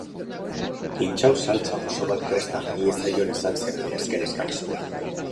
Intxaur-saltsa gozo bat presta geniezaion izan zen bere azken eskakizuna.